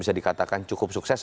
bisa dikatakan cukup sukses